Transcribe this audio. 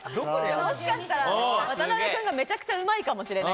もしかしたら渡邊君がめちゃくちゃうまいかもしれない。